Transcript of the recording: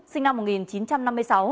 sinh năm một nghìn chín trăm năm mươi sáu